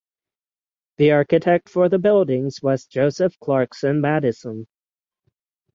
The architect for the buildings was Joseph Clarkson Maddison.